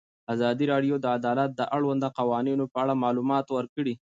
ازادي راډیو د عدالت د اړونده قوانینو په اړه معلومات ورکړي.